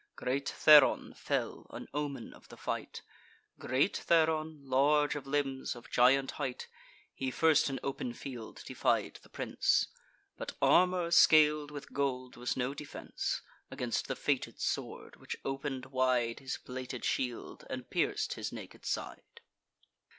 Great Theron fell, an omen of the fight; Great Theron, large of limbs, of giant height. He first in open field defied the prince: But armour scal'd with gold was no defence Against the fated sword, which open'd wide His plated shield, and pierc'd his naked side.